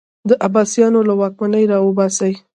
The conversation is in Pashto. د عباسیانو له واکمني راوباسي